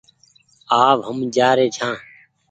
آ و هم جآ ري ڇآن ۔